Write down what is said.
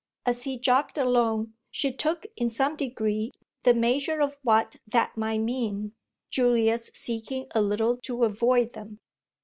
As he jogged along she took in some degree the measure of what that might mean, Julia's seeking a little to avoid them.